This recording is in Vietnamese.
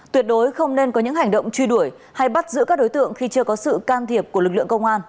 tuyệt đối không nên có những hành động truy đuổi hay bắt giữ các đối tượng khi chưa có sự can thiệp của lực lượng công an